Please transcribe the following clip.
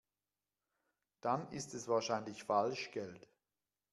Dann ist es wahrscheinlich Falschgeld.